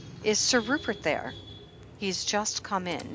"Is Sir Rupert there?" "He's just come in.